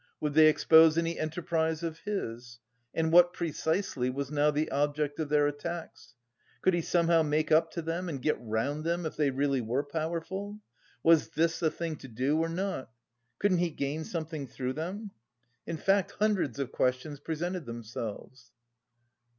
Would they expose any enterprise of his? And what precisely was now the object of their attacks? Could he somehow make up to them and get round them if they really were powerful? Was this the thing to do or not? Couldn't he gain something through them? In fact hundreds of questions presented themselves.